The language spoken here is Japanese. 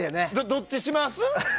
どっちにします？